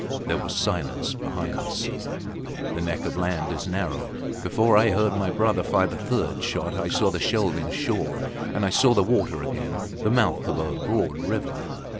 There was silence behind us. That neck of land is narrow. Before I heard my brother fire the third shot I saw the shelving shore, and I saw the water again; the mouth of a broad river.